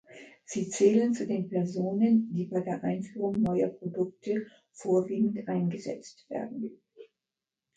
Sie zählen zu den Personen, die bei der Einführung neuer Produkte vorwiegend eingesetzt werden.